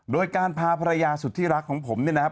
โดยการพาภรรยาสุดที่รักของผมเนี่ยนะครับ